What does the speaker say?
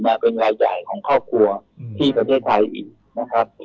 มาเป็นรายใหญ่ของครอบครัวที่ประเทศไทยอีกนะครับ